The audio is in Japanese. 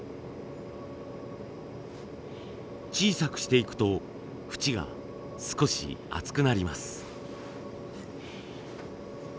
小さくしていくと縁が少し厚くなります。